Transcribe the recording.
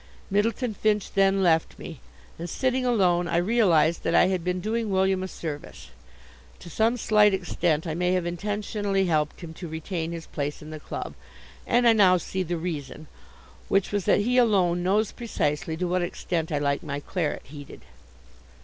Myddleton Finch then left me, and, sitting alone, I realized that I had been doing William a service. To some slight extent I may have intentionally helped him to retain his place in the club, and I now see the reason, which was that he alone knows precisely to what extent I like my claret heated.